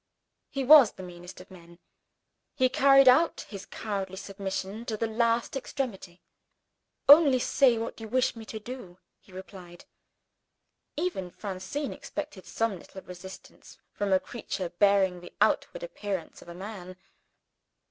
He was the meanest of men he carried out his cowardly submission to the last extremity. "Only say what you wish me to do," he replied. Even Francine expected some little resistance from a creature bearing the outward appearance of a man.